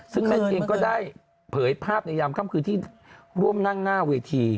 ซึ่งแม่เกียงก็ได้เผยภาพในยามค่ำคืนที่ร่วมนั่งหน้าเวที